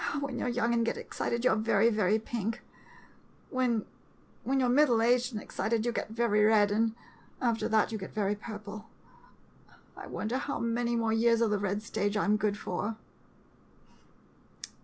When you 're young and get excited, you 're very, very pink — when, you 're mid dle aged and excited, you get very red, and after that you get very purple. I wonder how many more years of the red stage I 'm good for!